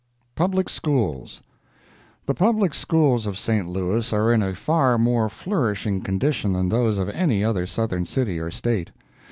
PUBLIC SCHOOLS The public schools of St. Louis are in a far more flourishing condition than those of any other Southern city or state.